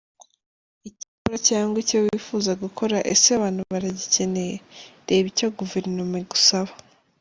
Icyo ukora cyangwa icyo wifuza gukora, ese abantu baragikeneye? Reba icyo guverinoma igusaba.